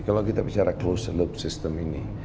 kalau kita bicara closed loop system ini